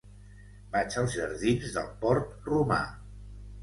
Vaig als jardins del Port Romà.